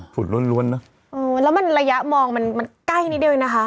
ผุดรวนเนอะอือแล้วมันระยะมองมันมันใกล้นิดเดียวเองนะคะ